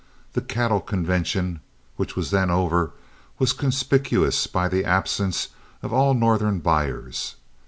The cattle convention, which was then over, was conspicuous by the absence of all Northern buyers.